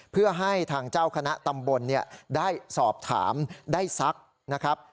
เพื่อให้ทางเจ้าคณะตำบลได้สอบถามได้ซักนะครับ